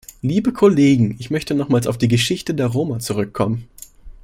Liebe Kollegen, ich möchte nochmals auf die Geschichte der Roma zurückkommen.